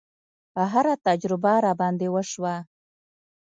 هره تجربه راباندې وشوه.